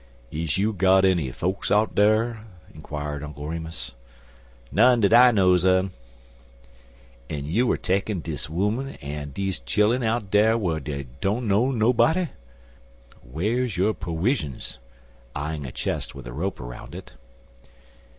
"Is you got enny folks out dar?" inquired Uncle Remus. "None dat I knows un." "An' you er takin' dis 'oman an' deze chillun out dar whar dey dunno nobody? Whar's yo' perwisions?" eying a chest with a rope around it.